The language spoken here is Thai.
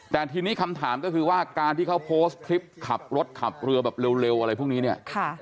แต่ทีนี้คำถามก็คือว่าการที่เขาโพสต์คลิปขับรถขับเรือแบบเร็วอะไรพวกนี้เนี่ย